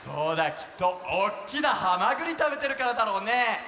きっとおっきなハマグリたべてるからだろうね。